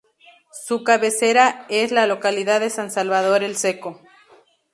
Su cabecera es la localidad de San Salvador el Seco.